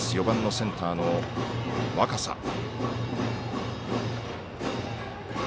４番のセンターの若狭。